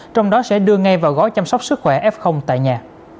trong đó sẽ đưa ngay vào gói chăm sóc sức khỏe f tại nhà